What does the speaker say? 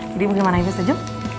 jadi gimana ibu setuju